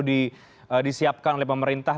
disiapkan oleh pemerintah